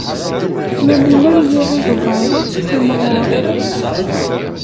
Yamina n Yiɣil Ubeṛwaq timɣur.